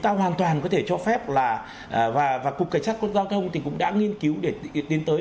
ta hoàn toàn có thể cho phép là và và cục cải sát quân giao thông thì cũng đã nghiên cứu để đến tới